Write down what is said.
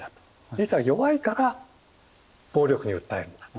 実は弱いから暴力に訴えるんだと。